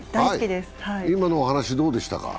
今の話、どうでしたか？